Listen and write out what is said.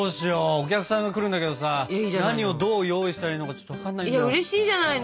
お客さんが来るんだけどさ何をどう用意したらいいのかちょっとわかんないんだ。